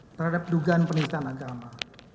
terhadap dugaan penyelidikan agama